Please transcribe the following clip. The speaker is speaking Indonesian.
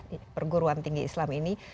di perguruan tinggi islam ini